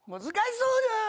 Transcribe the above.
難しそうだ。